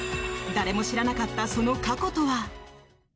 誰も知らなかったその過去とは。